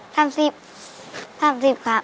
๕๐ครับ